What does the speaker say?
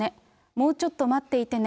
もうちょっと待っていてね。